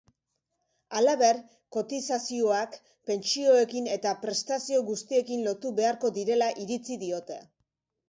Halaber, kotizazioak pentsioekin eta prestazio guztiekin lotu beharko direla iritzi diote.